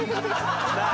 なあ」